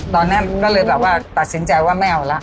ตอนนั้นก็เลยแบบว่าตัดสินใจว่าไม่เอาละ